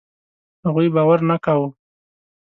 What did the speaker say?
هغوی باور نه کاوه.